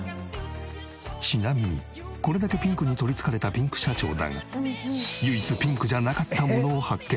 ちなみにこれだけピンクに取り憑かれたピンク社長だが唯一ピンクじゃなかったものを発見。